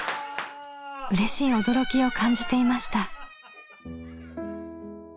うれしい驚きを感じていました。